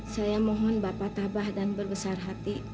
saya mohon bapak tabah dan berbesar hati